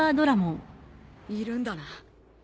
いるんだな？